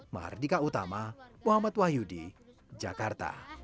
mardika utama muhammad wahyudi jakarta